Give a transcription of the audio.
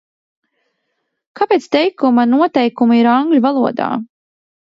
Kāpēc teikuma noteikumi ir angļu valodā?